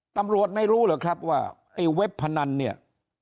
ตำรวจไม่รู้เหรอครับว่าไอ้เว็บพนันเนี่ย